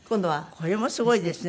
これもすごいですね